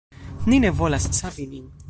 Ni ne volas savi nin.